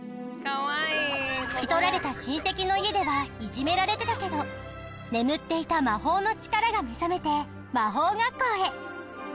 引き取られた親戚の家ではいじめられてたけど眠っていた魔法の力が目覚めて魔法学校へ。